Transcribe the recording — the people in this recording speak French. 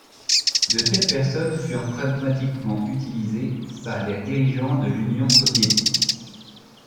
De telles personnes furent pragmatiquement utilisées par les dirigeants de l'Union soviétique.